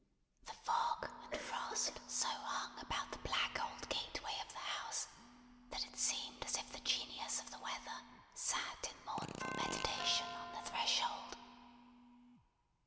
The fog and frost so hung about the black old gateway of the house, that it seemed as if the Genius of the Weather sat in mournful meditation on the threshold.